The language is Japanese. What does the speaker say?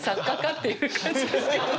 っていう感じですけど。